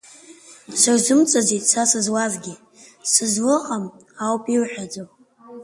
Сырзымҵаӡеит са сызлазгьы, сызлаҟам ауп ирҳәаӡо.